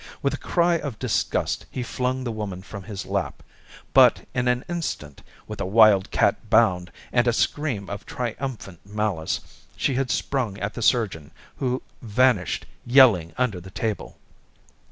With a cry of disgust he flung the woman from his lap; but in an instant, with a wild cat bound, and a scream of triumphant malice, she had sprung at the surgeon, who vanished yelling under the table.